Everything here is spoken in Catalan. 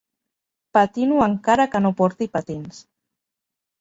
Patino encara que no porti patins.